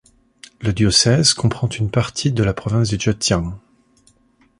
Le diocèse comprend une partie de la province du Zhejiang.